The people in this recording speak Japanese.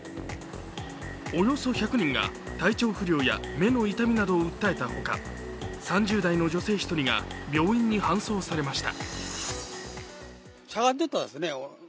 およそ１００人が体調不良や目の痛みなどを訴えたほか３０代の女性１人が病院に搬送されました。